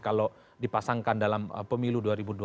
kalau dipasangkan dalam pemilu dua ribu dua puluh